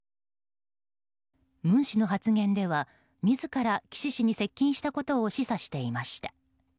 文氏の発言では自ら、岸氏に接近したことを示唆していました。